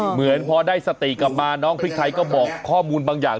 เหมือนพอได้สติกลับมาน้องพริกไทยก็บอกข้อมูลบางอย่าง